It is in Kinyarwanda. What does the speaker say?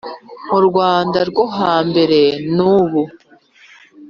mu rwanda rwo hambere nu bu.